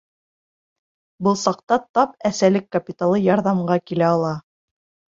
Был саҡта тап әсәлек капиталы ярҙамға килә ала.